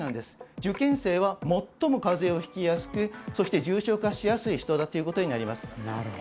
受験生は最も風邪を引きやすくそして重症化しやすい人だという事になります。